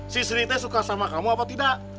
si sri teh suka sama kamu apa tidak